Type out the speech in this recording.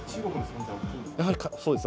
やはり、そうですね。